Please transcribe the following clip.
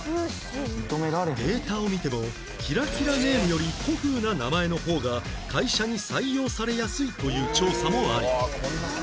データを見てもキラキラネームより古風な名前の方が会社に採用されやすいという調査もあり